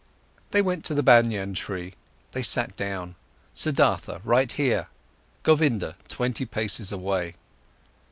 They went to the Banyan tree, they sat down, Siddhartha right here, Govinda twenty paces away.